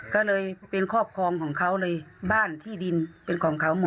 ก็เลยเป็นครอบครองของเขาเลยบ้านที่ดินเป็นของเขาหมู่